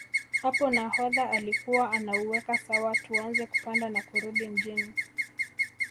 Hapo nahodha alikuwa anauweka sawa tuanze kupanda na kurudi Mjini